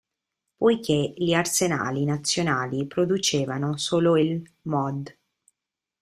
Poiché gli arsenali nazionali producevano solo il "Mod.